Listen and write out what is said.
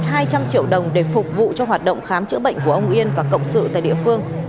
ông yên đã trích hai trăm linh triệu đồng để phục vụ cho hoạt động khám chữa bệnh của ông yên và cộng sự tại địa phương